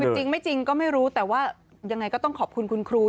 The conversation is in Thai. จริงไม่จริงก็ไม่รู้แต่ว่ายังไงก็ต้องขอบคุณคุณครู